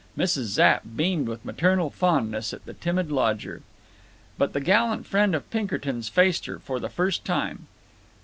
Mrs. Zapp beamed with maternal fondness at the timid lodger. But the gallant friend of Pinkertons faced her—for the first time.